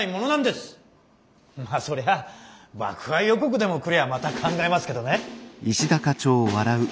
まあそりゃ爆破予告でも来りゃまた考えますけどね。